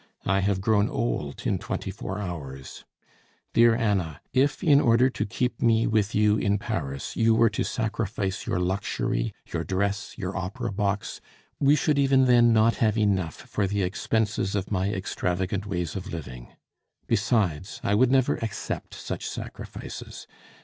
I have grown old in twenty four hours. Dear Anna, if in order to keep me with you in Paris you were to sacrifice your luxury, your dress, your opera box, we should even then not have enough for the expenses of my extravagant ways of living. Besides, I would never accept such sacrifices.